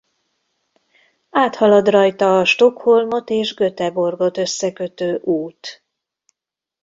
Áthalad rajta A Stockholmot és Göteborgot összekötő út.